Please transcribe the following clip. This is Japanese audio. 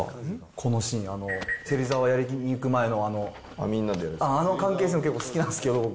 このシーン、芹沢をやりに行く前にあの関係性も結構好きなんですけど。